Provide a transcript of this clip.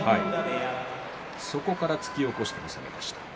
そこから突き起こして攻めました。